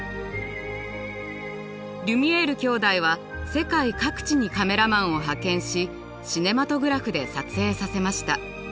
リュミエール兄弟は世界各地にカメラマンを派遣しシネマトグラフで撮影させました。